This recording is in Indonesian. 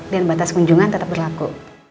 dan batas kunjungan tetap berlaku